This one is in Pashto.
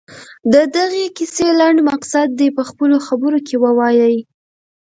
د دغې کیسې لنډ مقصد دې په خپلو خبرو کې ووايي.